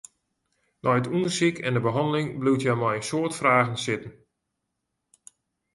Nei it ûndersyk en de behanneling bliuwt hja mei in soad fragen sitten.